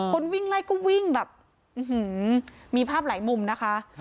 คนวิ่งไล่ก็วิ่งแบบมีภาพหลายมุมนะคะ